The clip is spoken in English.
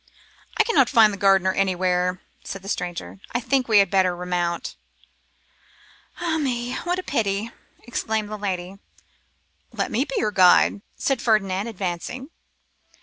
'I cannot find the gardener anywhere,' said the stranger; 'I think we had better remount.' 'Ah, me! what a pity!' exclaimed the lady. 'Let me be your guide,' said Ferdinand, advancing.